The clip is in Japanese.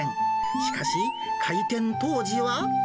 しかし、開店当時は。